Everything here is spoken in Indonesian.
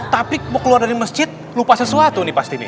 tapi mau keluar dari masjid lupa sesuatu nih pasti nih